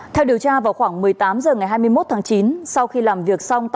theo điều tra vào khoảng một mươi tám h ngày hai mươi một tháng chín